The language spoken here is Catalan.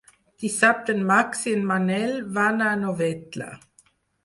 Dissabte en Max i en Manel van a Novetlè.